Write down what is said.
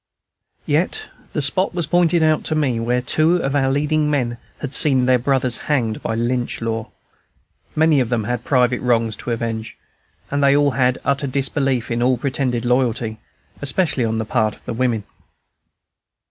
Yet the spot was pointed out to me where two of our leading men had seen their brothers hanged by Lynch law; many of them had private wrongs to avenge; and they all had utter disbelief in all pretended loyalty, especially on the part of the women.